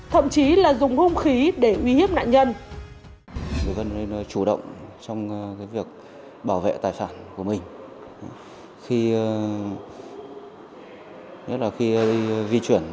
thậm chí là dùng hung khí để uy hiếp nạn nhân